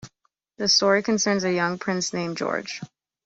The story concerns a young prince named George.